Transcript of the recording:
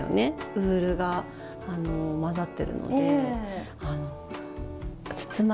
ウールが混ざってるので包まれてる